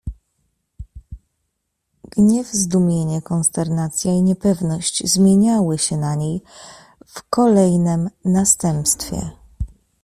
"Gniew, zdumienie, konsternacja i niepewność zmieniały się na niej w kolejnem następstwie."